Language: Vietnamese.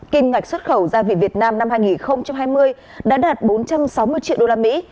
kinh ngạch xuất khẩu gia vị việt nam năm hai nghìn hai mươi đã đạt bốn trăm sáu mươi triệu usd